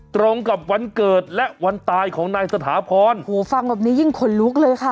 ตรงกับวันเกิดและวันตายของนายสถาพรโอ้โหฟังแบบนี้ยิ่งขนลุกเลยค่ะ